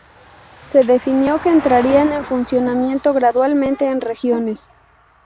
Se definió que entrarían en funcionamiento gradualmente en regiones.